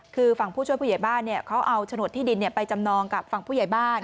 คือฝั่งผู้ช่วยผู้ใหญ่บ้านเขาเอาโฉนดที่ดินไปจำนองกับฝั่งผู้ใหญ่บ้าน